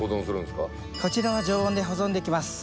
こちらは常温で保存できます。